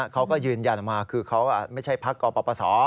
เขาก็ยืนยันออกมาคือเขาไม่ใช่พักกปศ